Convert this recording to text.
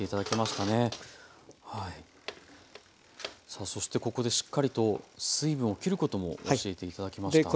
さあそしてここでしっかりと水分をきることも教えて頂きました。